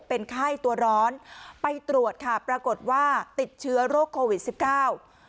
เป็นไข้ตัวร้อนไปตรวจค่ะปรากฏว่าติดเชื้อโรคโควิดสิบเก้า